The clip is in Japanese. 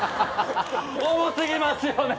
重すぎますよね。